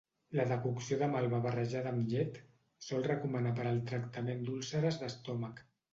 La decocció de malva barrejada amb llet, sol recomanar per al tractament d'úlceres d'estómac.